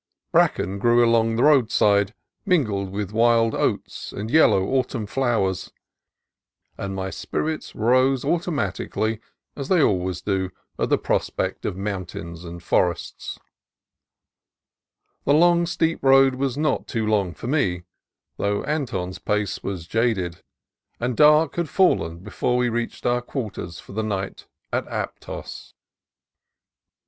Bracken grew along the roadside, mingled with wild oats and yellow autumn flowers; and my spirits rose automatically, as they always do, at the prospect of mountains and forests. The long, steep road was not too long for me, though THE CITY OF SANTA CRUZ 229 Anton's pace was jaded, and dark had fallen before we reached our quarters for the night at Aptos.